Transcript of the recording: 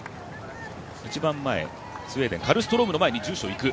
一番前、スウェーデンカルストロームの前住所が行く。